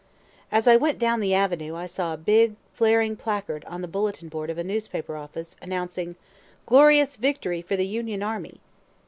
As I went down the Avenue, saw a big flaring placard on the bulletin board of a newspaper office, announcing "Glorious Victory for the Union Army!"